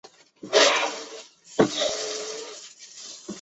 林立衡跑去大院的警卫处要求派士兵保护她的父亲。